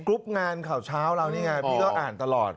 รุ๊ปงานข่าวเช้าเรานี่ไงพี่ก็อ่านตลอด